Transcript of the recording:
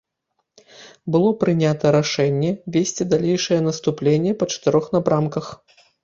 Было прынята рашэнне весці далейшае наступленне па чатырох напрамках.